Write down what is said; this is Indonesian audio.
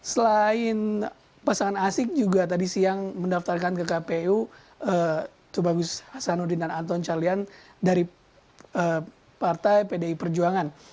selain pasangan asyik juga tadi siang mendaftarkan ke kpu t h h dan a c dari partai pdi perjuangan